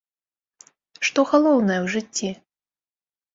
Што галоўнае ў жыцці?